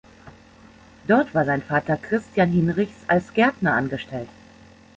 Dort war sein Vater Christian Hinrichs als Gärtner angestellt.